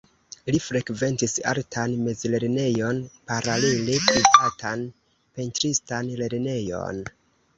Li frekventis artan mezlernejon, paralele privatan pentristan lernejon.